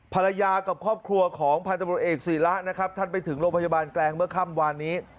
ภรรยากับครอบครัวของพันธบริเอกศีระนะครับท่านไปถึงโรงพยาบาลแกลงเมื่อค่ำวานนี้